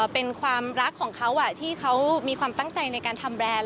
เป็นความรักของเขาที่เขามีความตั้งใจในการทำแบรนด์